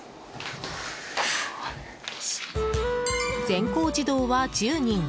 全校児童は１０人。